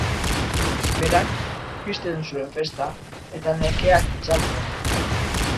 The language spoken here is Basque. Berak pizten zuen festa eta nekeak itzaltzen.